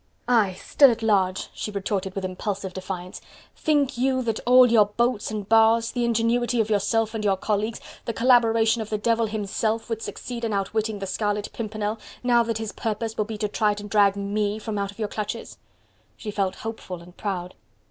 "Aye! still at large!" she retorted with impulsive defiance. "Think you that all your bolts and bars, the ingenuity of yourself and your colleagues, the collaboration of the devil himself, would succeed in outwitting the Scarlet Pimpernel, now that his purpose will be to try and drag ME from out your clutches." She felt hopeful and proud.